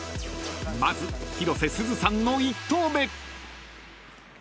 ［まず広瀬すずさんの１投目］